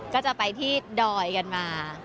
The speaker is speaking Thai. ก็จะไปที่ดอยกันมา